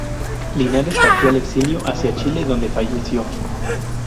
Linares partió al exilio hacia Chile, donde falleció.